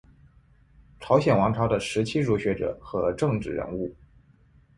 朝鲜王朝的时期儒学者和政治人物。